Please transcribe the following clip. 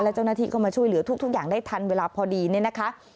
เจ้าหน้าที่ก็มาช่วยเหลือทุกอย่างได้ทันเวลาพอดีเนี่ยนะคะ